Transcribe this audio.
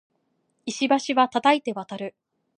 石橋は叩いて渡る